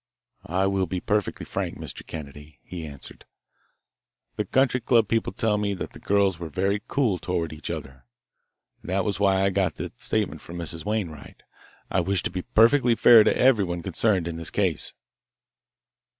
"I will be perfectly frank, Mr. Kennedy," he answered. "The country club people tell me that the girls were very cool toward each other. That was why I got that statement from Mrs. Wainwright. I wish to be perfectly fair to everyone concerned in this case."